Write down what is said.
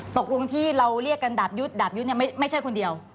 ตกลงที่เราเรียกกันดาบยุทธ์ดาบยุทธ์ไม่ใช่คนเดียว